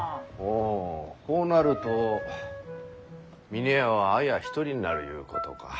おほうなると峰屋は綾一人になるゆうことか。